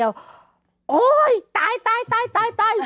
โอ้ยตาย